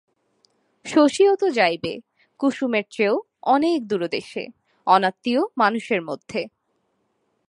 শশীও তো যাইবে, কুসুমের চেয়েও অনেক দূরদেশে, অনাত্মীয় মানুষের মধ্যে।